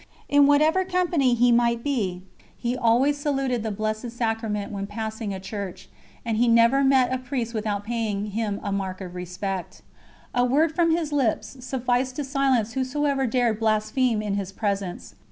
In whatever company he might be, he always saluted the Blessed Sacrament when passing a Church; and he never met a priest without paying him a mark of respect. A word from his lips sufficed to silence whosoever dared blaspheme in his presence.